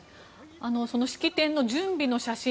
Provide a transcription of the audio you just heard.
式典の準備の写真